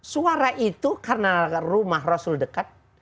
suara itu karena rumah rasul dekat